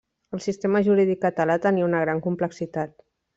El sistema jurídic català tenia una gran complexitat.